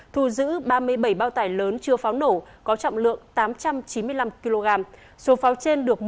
thu giữ ba đồng